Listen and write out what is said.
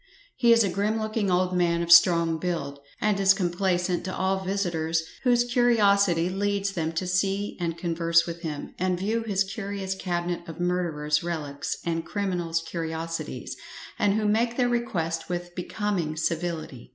He is a grim looking old man of strong build; and is complacent to all visitors whose curiosity leads them to see and converse with him, and view his curious cabinet of murderers' relics and criminals' curiosities; and who make their request with becoming civility.